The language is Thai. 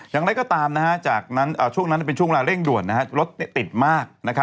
อย่างไรก็ตามจากช่วงนั้นเป็นช่วงเวลาเร่งด่วนรถติดมาก